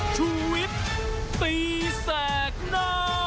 ชุวิตตีแสงหน้า